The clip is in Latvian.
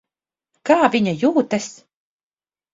Kā viņa jūtas?